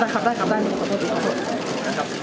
ขอบคุณครับ